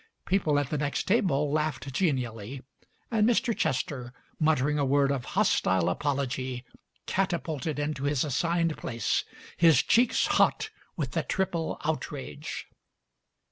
People at the next table laughed genially, and Mr. Chester, muttering a word of hostile apology, catapulted into his assigned place, his cheeks hot with the triple outrage.